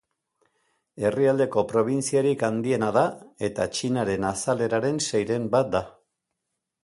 Herrialdeko probintziarik handiena da eta Txinaren azaleraren seiren bat da.